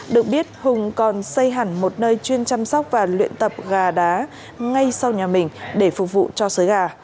được biết hùng còn xây hẳn một nơi chuyên chăm sóc và luyện tập gà đá ngay sau nhà mình để phục vụ cho sới gà